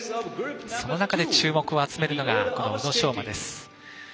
その中で注目を集めるのが宇野昌磨です。